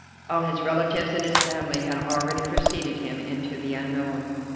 All his relatives and his family had already preceded him into the unknown.